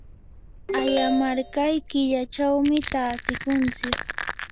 ayamarqay killachawmi tatsikuntsik.